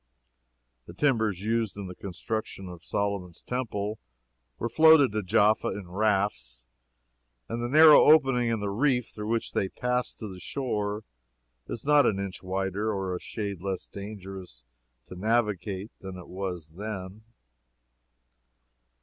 The timbers used in the construction of Solomon's Temple were floated to Jaffa in rafts, and the narrow opening in the reef through which they passed to the shore is not an inch wider or a shade less dangerous to navigate than it was then.